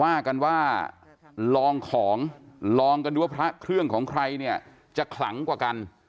ว่ากันว่าลองของลองกันดูว่าพระเครื่องของใครเนี่ยจะขลังกว่ากัน